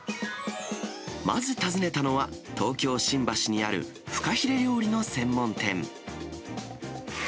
まず訪ねたのは、東京・新橋にあるフカヒレ料理の専門店。